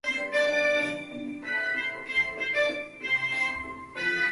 维希政府派遣让德句担任法属印度支那总督。